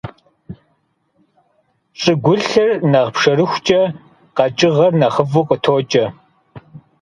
ЩӀыгулъыр нэхъ пшэрыхукӀэ къэкӀыгъэр нэхъыфӀу къытокӀэ.